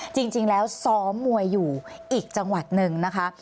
จริงแล้วซ้อมมวยอยู่อีกจังหวัดหนึ่งนะคะ